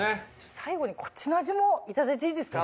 最後にこっちの味もいただいていいですか？